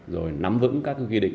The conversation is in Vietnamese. rồi nắm vững các ghi định